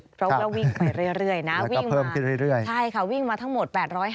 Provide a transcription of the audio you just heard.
ก็เพิ่มไปเรื่อยใช่ค่ะวิ่งมาทั้งหมด